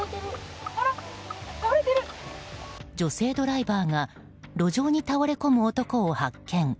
女性ドライバーが路上に倒れ込む男を発見。